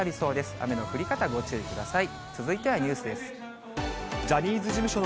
雨の降り方、ご注意ください。